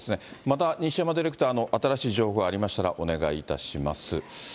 また西山ディレクター、新しい情報がありましたらお願いいたします。